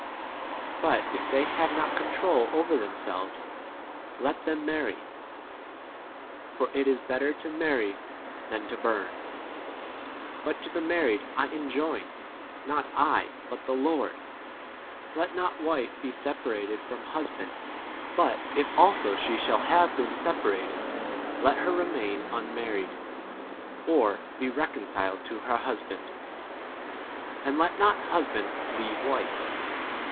But if they have not control over them selves, let them marry ; for it is< better to marry than to burn. 10 But to the married I enjoin, not 7, but the Lord, Let not wife be 11 separated from husband ; (but if also she shall have been separated, let her remain unmarried, or be reconciled to her husband;) and 12 let not husband leave wife.